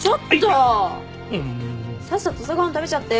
さっさと朝ご飯食べちゃって。